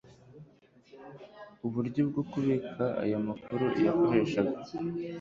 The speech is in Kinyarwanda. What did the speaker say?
uburyo bwo kubika ayo makuru yakoreshaga